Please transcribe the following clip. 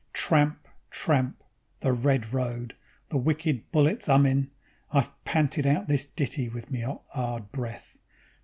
_Tramp, tramp, the red road, the wicked bullets 'ummin' (I've panted out this ditty with me 'ot 'ard breath.)